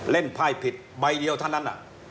เล่นภายผิดใบเดียวเท่านั้น